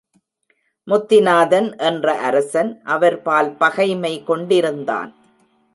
முத்திநாதன் என்ற அரசன் அவர்பால் பகைமை கொண்டிருந்தான்.